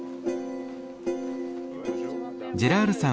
ジェラールさん